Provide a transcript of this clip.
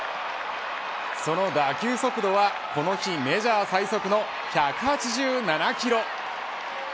その打球速度はこの日、メジャー最速の１８７キロ。